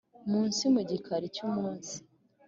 munsi mu gikari cy'umunsi.